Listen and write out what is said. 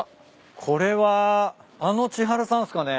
これはあの千春さんっすかね？